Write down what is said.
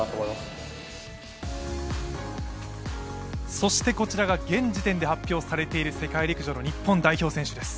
そして、こちらが現時点で発表されている世界陸上の日本代表選手です。